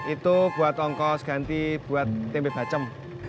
itu buat ongkos ganti buat tempe bacem